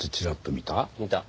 見た。